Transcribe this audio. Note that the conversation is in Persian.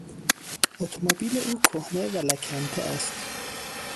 اتومبیل او کهنه و لکنته است.